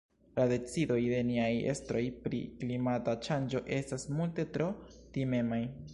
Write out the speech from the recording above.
La decidoj de niaj estroj pri klimata ŝanĝo estas multe tro timemaj.